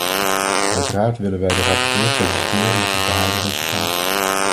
Uiteraard willen wij de rapporteur feliciteren met het behaalde resultaat.